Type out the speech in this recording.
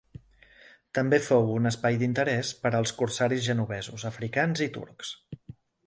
També fou un espai d’interès per als corsaris genovesos, africans i turcs.